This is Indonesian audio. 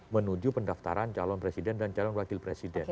menuju pendaftaran calon presiden dan calon wakil presiden